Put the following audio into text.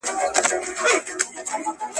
په حکومت کي د پريکړو ډول بايد معلوم وي.